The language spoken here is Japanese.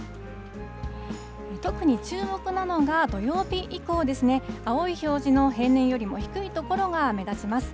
特に注目なのが土曜日以降ですね、青い表示の平年よりも低い所が目立ちます。